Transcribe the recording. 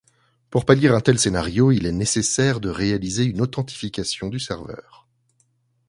Pour pallier un tel scénario, il est nécessaire de réaliser une authentification du serveur.